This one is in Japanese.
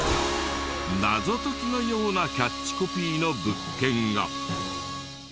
謎解きのようなキャッチコピーの物件が。